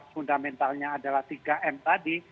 fundamentalnya adalah tiga m tadi